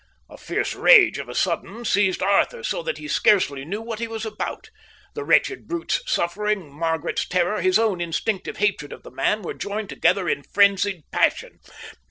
A fierce rage on a sudden seized Arthur so that he scarcely knew what he was about. The wretched brute's suffering, Margaret's terror, his own instinctive hatred of the man, were joined together in frenzied passion.